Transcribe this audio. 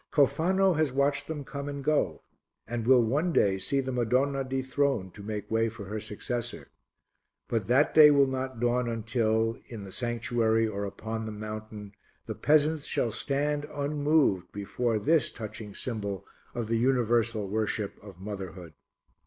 Cofano has watched them come and go and will one day see the Madonna dethroned to make way for her successor. But that day will not dawn until, in the Sanctuary or upon the Mountain, the peasants shall stand unmoved before this touching symbol of the universal worship of Motherhood.